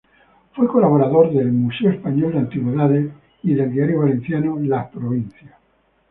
Fue colaborador del "Museo Español de Antigüedades" y del diario valenciano "Las Provincias".